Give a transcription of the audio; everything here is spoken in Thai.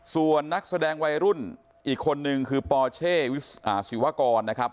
ส่วนนักแสดงวัยรุ่นอีกคนนึงคือปอเช่ศิวากรนะครับ